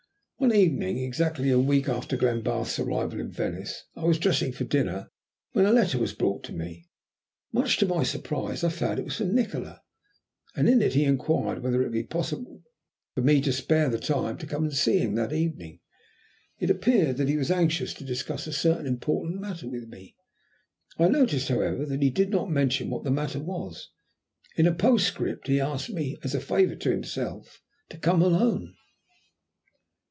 One evening, exactly a week after Glenbarth's arrival in Venice, I was dressing for dinner when a letter was brought to me. Much to my surprise I found it was from Nikola, and in it he inquired whether it would be possible for me to spare the time to come and see him that evening. It appeared that he was anxious to discuss a certain important matter with me. I noticed, however, that he did not mention what that matter was. In a postscript he asked me, as a favour to himself, to come alone.